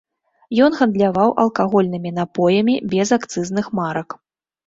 Ён гандляваў алкагольнымі напоямі без акцызных марак.